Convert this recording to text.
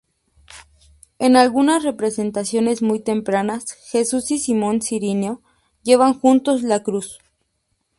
En algunas representaciones muy tempranas, Jesús y Simón Cirineo llevan juntos la cruz.